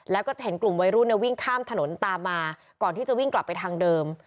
แล้วก็จะเห็นกลุ่มวัยรุ่นวิ่งข้ามถนนตามมาก่อนที่จะวิ่งกลับไปทางเดิม